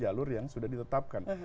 jalur yang sudah ditetapkan